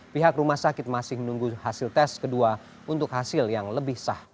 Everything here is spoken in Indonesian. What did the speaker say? pihak rumah sakit masih menunggu hasil tes kedua untuk hasil yang lebih sah